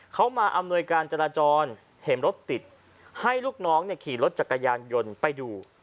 เขามาอำนวยการจราจรเห็นรถติดให้ลูกน้องขี่รถจักรยานยนต์ไปดู